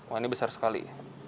wah ini besar sekali